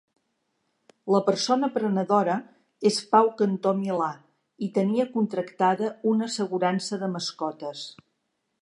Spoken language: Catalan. La persona prenedora és Pau Cantó Milà i tenia contractada una assegurança de mascotes.